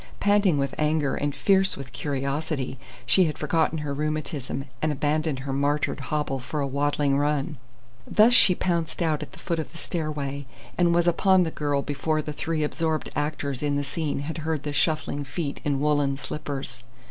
Panting with anger, and fierce with curiosity, she had forgotten her rheumatism and abandoned her martyred hobble for a waddling run. Thus she pounced out at the foot of the stairway, and was upon the girl before the three absorbed actors in the scene had heard the shuffling feet in woollen slippers.